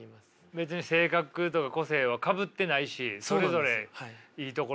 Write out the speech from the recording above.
別に性格とか個性はかぶってないしそれぞれいいところがあって。